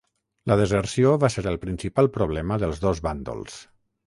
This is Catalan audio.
La deserció va ser el principal problema dels dos bàndols.